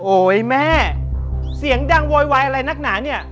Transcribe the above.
แม่เสียงดังโวยวายอะไรนักหนาเนี่ย